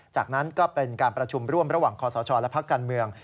จากนั้นก็เป็นการประชุมร่วมระหว่างคอสชและพักการเมือง